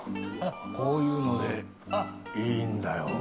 こういうのでいいんだよ。